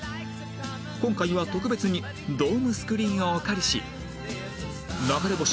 今回は特別にドームスクリーンをお借りし流れ星☆